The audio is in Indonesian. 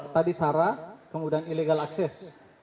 tadi sarah kemudian illegal access